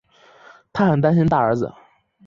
她很担心大儿子